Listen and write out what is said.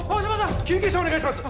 救急車お願いします